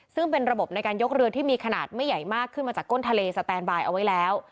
ซึ่งเป็นระบบในการยกเรือที่มีขนาดไม่ใหญ่มากขึ้นมาจากก้นทะเลสแตนบายเอาไว้แล้ว